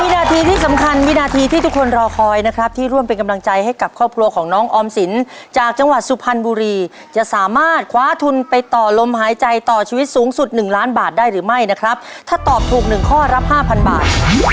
นะครับที่ร่วมเป็นกำลังใจให้กับครอบครัวของน้องออมสินจากจังหวัดสุพรรณบุรีจะสามารถคว้าทุนไปต่อลมหายใจต่อชีวิตสูงสุด๑ล้านบาทได้หรือไม่นะครับถ้าตอบถูกหนึ่งข้อรับ๕๐๐๐บาท